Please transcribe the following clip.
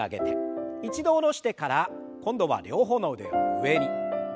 一度下ろしてから今度は両方の腕を上に。